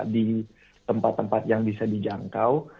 di tempat tempat yang bisa dijangkau